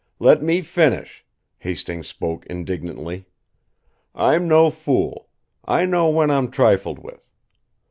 "Let me finish!" Hastings spoke indignantly. "I'm no fool; I know when I'm trifled with.